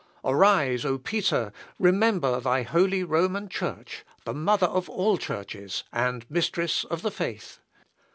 Arise, O Peter, remember thy holy Roman Church, the mother of all churches, and mistress of the faith!